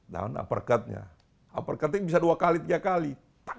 dan uppercutnya uppercutnya bisa dua kali tiga kali